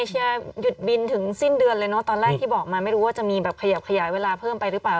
หยุดบินถึงสิ้นเดือนเลยเนอะตอนแรกที่บอกมาไม่รู้ว่าจะมีแบบขยับขยายเวลาเพิ่มไปหรือเปล่า